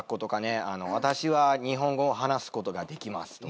「私は日本語を話すことができます」とか。